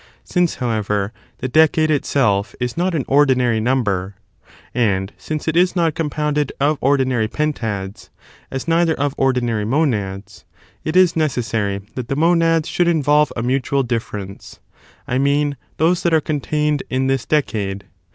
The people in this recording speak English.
Sinc^, however, the decade itself is not an mustratedbv ordinary number, and since ^ it is not compounded the case of the of ordinary pentads, as neither of ordinary ®*^®' monads, it is necessary that the monads should involve a mutual difference — I mean, those that are contained in this decade.